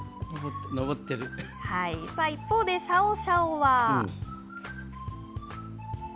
一方でシャオシャオは。